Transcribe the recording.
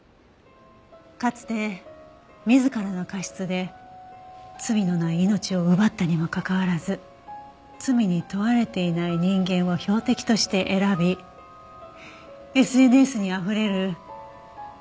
かつて自らの過失で罪のない命を奪ったにもかかわらず罪に問われていない人間を標的として選びＳＮＳにあふれる情報やフェイク